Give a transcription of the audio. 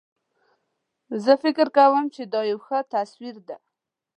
زه فکر کوم چې دا یو ښه تصویر ده